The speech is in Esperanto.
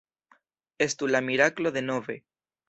Estu la miraklo denove!